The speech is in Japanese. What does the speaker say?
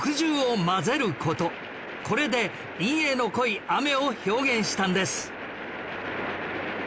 これで陰影の濃い雨を表現したんです